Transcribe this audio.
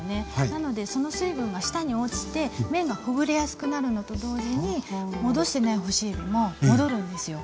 なのでその水分が下に落ちて麺がほぐれやすくなるのと同時に戻してない干しえびも戻るんですよ。